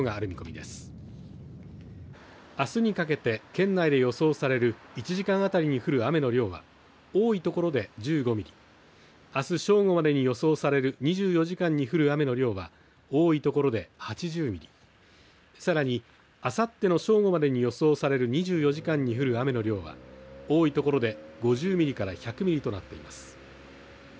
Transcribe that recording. あすにかけて県内で予想される１時間当たりに降る雨の量は多い所で１５ミリあす正午までに予想される２４時間に降る雨の量は多い所で８０ミリさらに、あさっての正午までに予想される２４時間に降る雨の量は多い所で５０ミリから１００ミリとなっています。